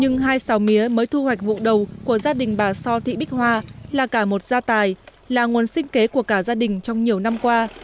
nhưng hai xào mía mới thu hoạch vụ đầu của gia đình bà so thị bích hoa là cả một gia tài là nguồn sinh kế của cả gia đình trong nhiều năm qua